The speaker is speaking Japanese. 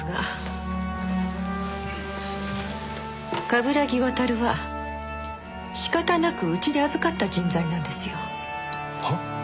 冠城亘は仕方なくうちで預かった人材なんですよ。は？